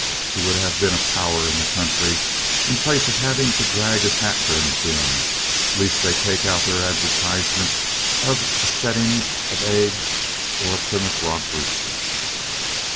He would have been a power in the country in place of having to drag his hat brim to 'em, lest they take out their advertisement of a setting of eggs or a Plymouth Rock rooster.